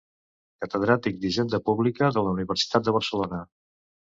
Catedràtic d'Hisenda Pública de la Universitat de Barcelona.